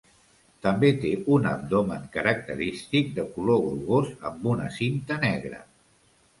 També té un abdomen característic de color grogós amb una cinta negra.